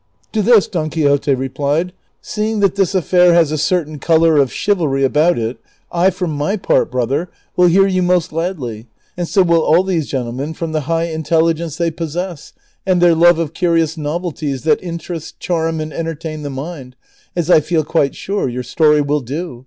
To this Don Quixote replied, " Seeing that this affair has a certain color of chivalry about it, I for my part, brother, Avill hear you most gladly, and so will all these gentlemen, from the high intelligence they possess and their love of curious novelties that interest, charm, and entertain the mind, as I feel (piite sure your story will do.